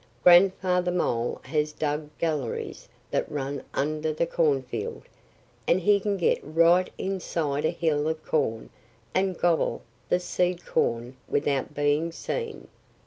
Grandfather Mole has dug galleries that run under the cornfield. And he can get right inside a hill of corn and gobble the seed corn without being seen."